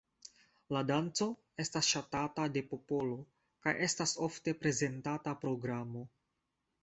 La danco estas ŝatata de popolo, kaj estas ofte prezentata programo.